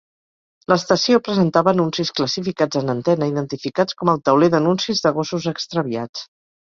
L'estació presentava anuncis classificats en antena identificats com el tauler d'anuncis de gossos extraviats.